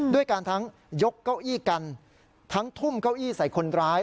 ด้วยการทั้งยกเก้าอี้กันทั้งทุ่มเก้าอี้ใส่คนร้าย